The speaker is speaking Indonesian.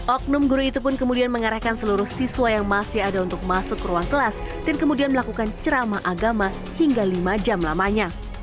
oknum guru itu pun kemudian mengarahkan seluruh siswa yang masih ada untuk masuk ke ruang kelas dan kemudian melakukan ceramah agama hingga lima jam lamanya